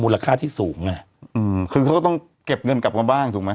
ราคาที่สูงไงอืมคือเขาก็ต้องเก็บเงินกลับมาบ้างถูกไหม